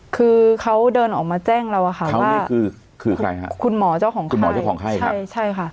คือเขาเดินออกมาแจ้งเราว่าคุณหมอเจ้าของไข้